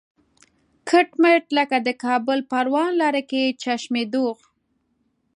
کټ مټ لکه د کابل پروان لاره کې چشمه دوغ.